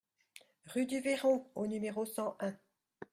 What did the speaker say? Rue du Véron au numéro cent un